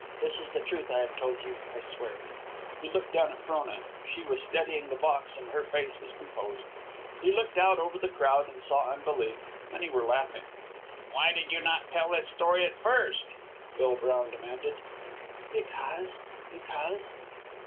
This is the truth I have told you, I swear it!" He looked down at Frona. She was steadying the box, and her face was composed. He looked out over the crowd and saw unbelief. Many were laughing. "Why did you not tell this story at first?" Bill Brown demanded. "Because ... because